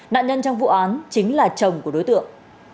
nạn nhân trong vụ án chính là chồng của đối tượng